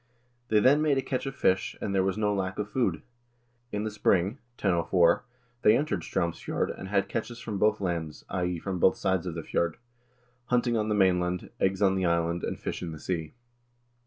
They then made a catch of fish, and there was no lack of food. In the spring (1004) they entered Straumsfjord, and had catches from both lands (i.e. from both sides of the fjord), hunting on the mainland, eggs on the island, and fish in the sea."